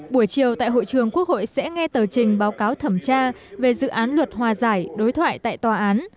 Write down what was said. buổi chiều tại hội trường quốc hội sẽ nghe tờ trình báo cáo thẩm tra về dự án luật hòa giải đối thoại tại tòa án